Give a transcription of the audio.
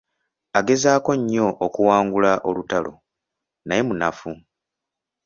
Agezaako nnyo okuwangula olutalo, naye munafu.